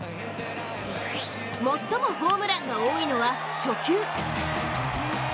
最もホームランが多いのは初球。